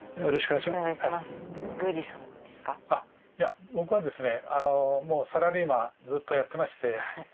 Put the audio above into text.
いや僕はですね。